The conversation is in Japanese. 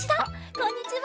こんにちは！